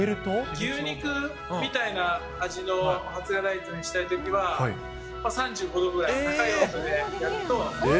牛肉みたいな味の発芽大豆にしたいときは、３５度ぐらいの高い温度でやると。